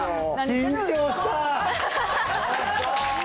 緊張したぁ。